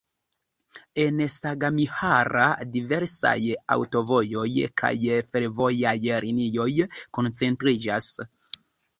En Sagamihara diversaj aŭtovojoj kaj fervojaj linioj koncentriĝas.